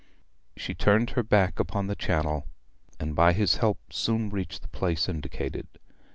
She turned her back upon the Channel, and by his help soon reached the place indicated.